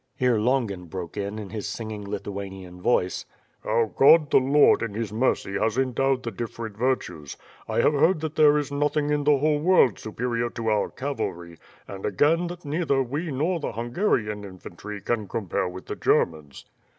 Here Longin broke in in his singing, Lithuanian voice: "How God the Lord in His mercy has endowed the differ ent virtues. I have heard that there is nothing in the whole world superior to our cavalry; and again that neither we nor the Hungarian infantry can compare with the Germans."